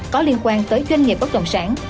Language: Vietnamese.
có liên quan tới doanh nghiệp bất động sản